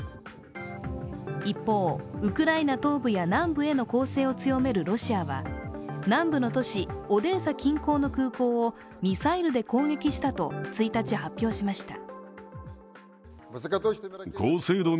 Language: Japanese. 一方、ウクライナ東部や南部への攻勢を強めるロシアは南部の都市オデーサ近郊の空港をミサイルで攻撃したと１日、発表しました。